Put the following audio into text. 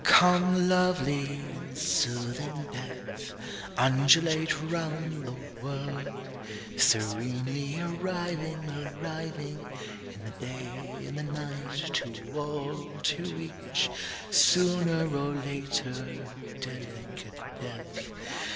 _Come, lovely and soothing death. Undulate round the world, serenely arriving, arriving, In the, day, in the night, to all, to each, Sooner or later, delicate death_.